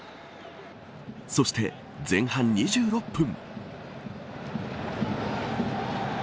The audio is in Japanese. そして、前半２６分。